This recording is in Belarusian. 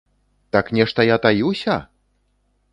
Так нешта я таюся?!